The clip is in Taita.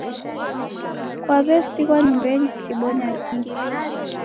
Kwawesigh'wa nyumbenyi kukibonya kii?